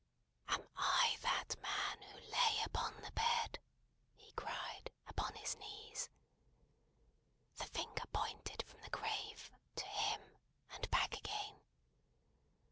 "Am I that man who lay upon the bed?" he cried, upon his knees. The finger pointed from the grave to him, and back again.